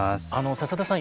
笹田さん